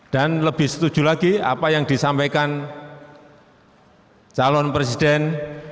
dan lebih setuju lagi apa yang disampaikan calon presiden